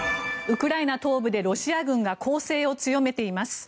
ウクライナ東部でロシア軍が攻勢を強めています。